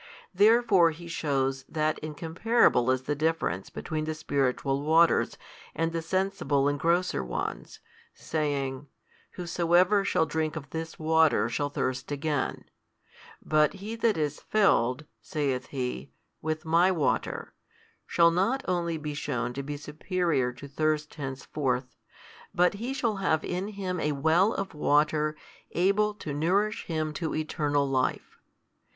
Therefore He shews that incomparable is the difference between the spiritual waters, and the sensible and grosser ones, saying, Whosoever shall drink of this water shall thirst again, but he that is filled (saith He) with My water, shall not only be shewn to be superior to thirst henceforth, but he shall have in him a well of water able to nourish him to eternal life.